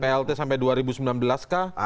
plt sampai dua ribu sembilan belas kah